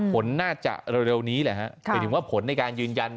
ผลน่าจะอร่อยนี้แหละ